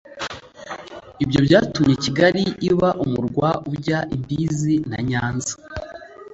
Ibyo byatumye Kigali iba umurwa ujya imbizi na Nyanza.